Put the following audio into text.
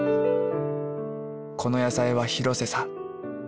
この野菜は廣瀬さん